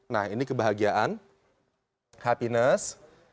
nah ini kebahagiaan happiness